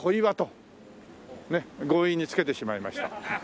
ねっ強引に付けてしまいました。